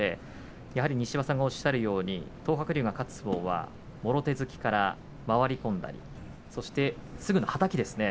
やはり西岩さんがおっしゃるように、東白龍が勝つ相撲はもろ手突きから回り込んだりそしてすぐのはたきですね